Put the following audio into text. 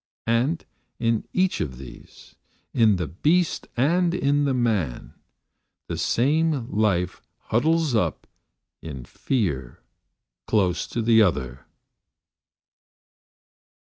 And in each of these, in the beast and in the man, the same life huddles up in fear close to the other.